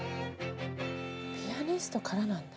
ピアニストからなんだ。